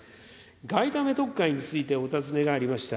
外為特会についてお尋ねがありました。